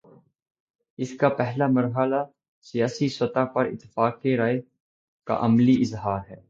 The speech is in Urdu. اس کا پہلا مرحلہ سیاسی سطح پر اتفاق رائے کا عملی اظہار ہے۔